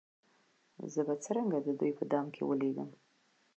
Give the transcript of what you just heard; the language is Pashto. زه به څرنګه د دوی په دام کي لوېږم